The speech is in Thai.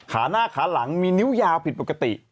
ขาหน้าขาหลังมีนิ้วยาวผิดปกติ